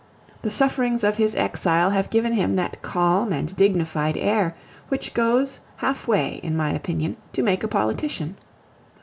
The sufferings of his exile have given him that calm and dignified air which goes half way, in my opinion, to make a politician.